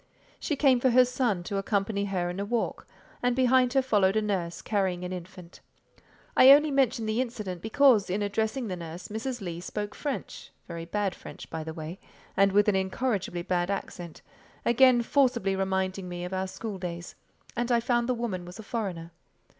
She came for her son to accompany her in a walk, and behind her followed a nurse, carrying an infant. I only mention the incident because, in addressing the nurse, Mrs. Leigh spoke French (very bad French, by the way, and with an incorrigibly bad accent, again forcibly reminding me of our school days): and I found the woman was a foreigner.